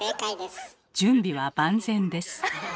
準備は万全です。